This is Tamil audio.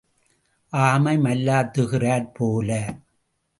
ஆமை மல்லாத்துகிறாற் போல.